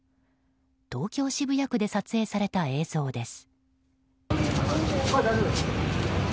東京・渋谷区で撮影された映像です。